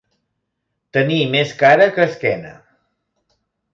Tenir més cara que esquena.